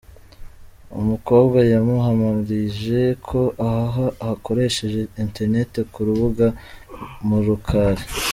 Umukobwa yamuhamirije ko ahaha akoresheje internet ku rubuga murukali.